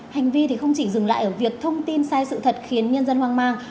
hành vi không chỉ dừng lại ở việc thông tin sai sự thật khiến nhân dân hoang mang